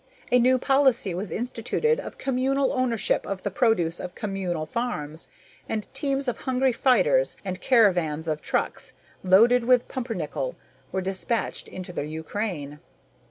A new policy was instituted of communal ownership of the produce of communal farms, and teams of hunger fighters and caravans of trucks loaded with pumpernickel were dispatched into the Ukraine.